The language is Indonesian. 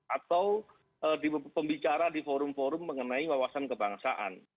atau di pembicara di forum forum mengenai wawasan kebangsaan